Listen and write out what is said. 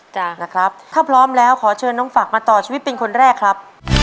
จ้ะนะครับถ้าพร้อมแล้วขอเชิญน้องฝักมาต่อชีวิตเป็นคนแรกครับ